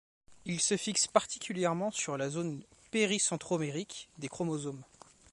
Il se fixe particulièrement sur la zone péri-centromérique des chromosomes.